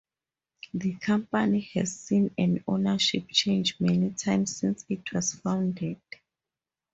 The company has seen an ownership change many times since it was founded.